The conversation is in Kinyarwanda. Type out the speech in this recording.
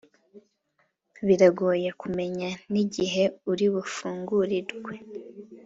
biranagoye kumenya n’igihe uri bufungurirwe”